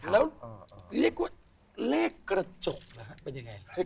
แล้วเรียกว่าเลขกระจกเป็นยังไง